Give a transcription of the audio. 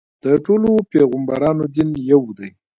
د ټولو پیغمبرانو دین یو دی.